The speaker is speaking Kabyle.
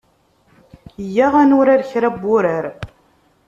Yyaɣ ad nurar kra n wurar.